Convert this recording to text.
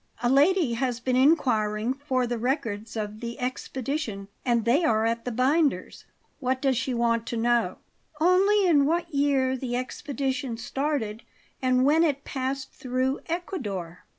A lady has been inquiring for the records of the expedition, and they are at the binder's." "What does she want to know?" "Only in what year the expedition started and when it passed through Ecuador."